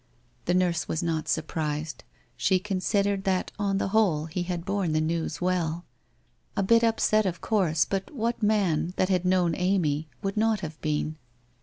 The nurse was not surprised. She considered that on the whole he had borne the news well. A bit upset of course, but what man, that had known Amy, would not have been?